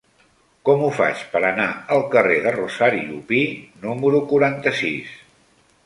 Com ho faig per anar al carrer de Rosario Pi número quaranta-sis?